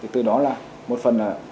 từ đó là một phần là